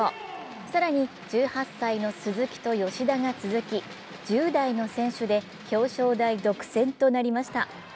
更に、１８歳の鈴木と吉田が続き、１０代の選手で表彰台独占となりました。